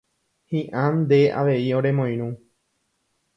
Hi'ã nde avei oremoirũ